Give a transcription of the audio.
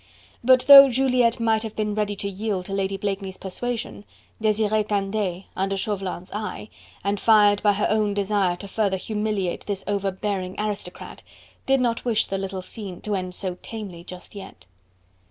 But though Juliette might have been ready to yield to Lady Blakeney's persuasion, Desiree Candeille, under Chauvelin's eye, and fired by her own desire to further humiliate this overbearing aristocrat, did not wish the little scene to end so tamely just yet.